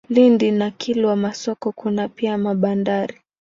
Lindi na Kilwa Masoko kuna pia bandari.